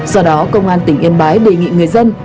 do đó công an tỉnh yên bái đề nghị người dân